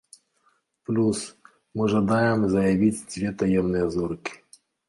Плюс, мы жадаем заявіць дзве таемныя зоркі.